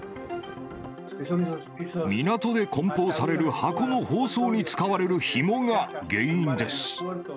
港でこん包される箱の包装に使われるひもが原因です。